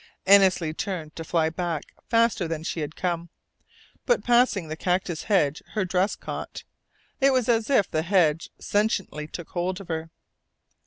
Annesley turned to fly back faster than she had come. But passing the cactus hedge her dress caught. It was as if the hedge sentiently took hold of her.